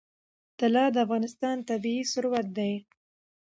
طلا د افغانستان طبعي ثروت دی.